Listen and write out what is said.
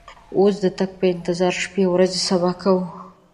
اوس د تګ په انتظار شپې او ورځې صبا کوو.